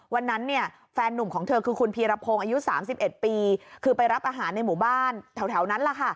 วันนั้นแฟนนุ่มของเธอคือคุณพีรพงษ์อายุสามสิบเอ็ดปีคือไปรับอาหารในหมู่บ้านแถวนั้น